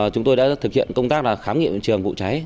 chúng tôi đã thực hiện công tác là khám nghiệm trường vụ cháy